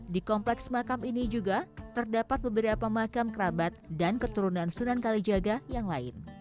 di kompleks mahkamah ini juga terdapat beberapa mahkamah kerabat dan keturunan sunan kalijaga